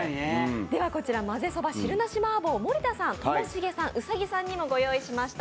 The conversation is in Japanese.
まぜそば汁なし麻婆を森田さん、ともしげさん、兎さんにもご用意しました。